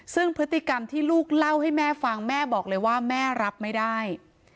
ซึ่งพฤติกรรมที่ลูกเล่าให้แม่ฟังแม่บอกเลยว่าแม่รับไม่ได้